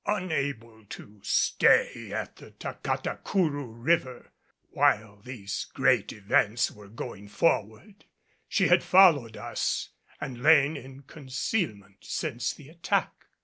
Unable to stay at the Tacatacourou River while these great events were going forward, she had followed us and lain in concealment since the attack.